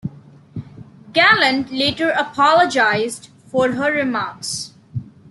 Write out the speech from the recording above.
Gallant later apologized for her remarks.